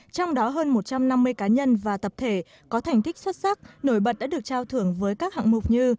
trong đó hơn một trăm năm mươi cá nhân và tập thể có thành tích xuất sắc nổi bật đã được trao thưởng với các hạng mục như